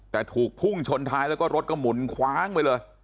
แต่ถูกพุ่งชนท้ายแล้วก็รถก็หมุนคว้างไปเลย